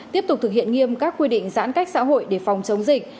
tiếp tục thực hiện nghiêm các quy định giãn cách xã hội để phòng chống dịch